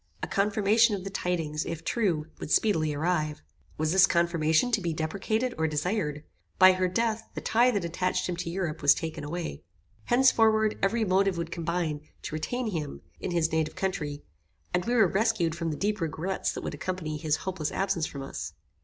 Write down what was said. A confirmation of the tidings, if true, would speedily arrive. Was this confirmation to be deprecated or desired? By her death, the tie that attached him to Europe, was taken away. Henceforward every motive would combine to retain him in his native country, and we were rescued from the deep regrets that would accompany his hopeless absence from us.